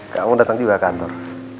kamu datang juga ke atur